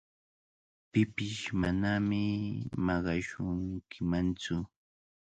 Pipish manami maqashunkimantsu.